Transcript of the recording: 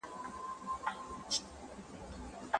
حکومت د سیمې د هېوادونو د داخلي قوانینو بې احترامي نه کوي.